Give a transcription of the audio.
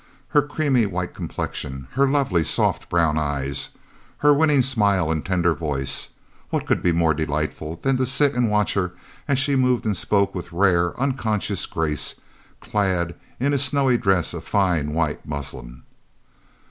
Her creamy white complexion, her lovely soft brown eyes, her winning smile and tender voice what could be more delightful than to sit and watch her as she moved and spoke with rare, unconscious grace, clad in a snowy dress of fine white muslin!